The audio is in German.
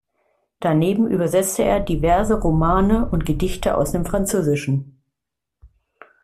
Daneben übersetzte er diverse Romane und Gedichte aus dem Französischen.